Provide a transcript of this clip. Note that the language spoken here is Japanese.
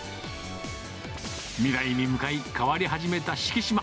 未来に向かい、変わり始めた敷島。